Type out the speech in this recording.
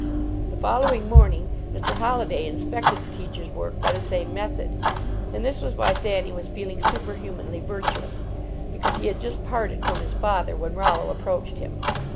The following morning Mr. Holliday inspected the teacher s work by the same method. And this was why Than ny was feeling superhumanly virtuous, be cause he had just parted from his father when Rollo approached him.